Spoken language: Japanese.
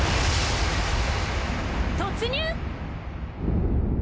突入！